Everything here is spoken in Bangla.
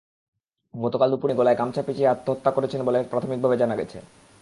গতকাল দুপুরে তিনি গলায় গামছা পেঁচিয়ে আত্মহত্যা করেছেন বলে প্রাথমিকভাবে জানা গেছে।